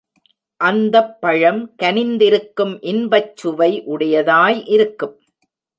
அந்தப் பழம் கனிந்திருக்கும் இன்பச்சுவை உடையதாய் இருக்கும்.